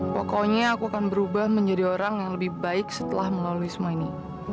pokoknya aku akan berubah menjadi orang yang lebih baik setelah melalui semua ini